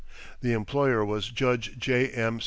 That employer was Judge J. M.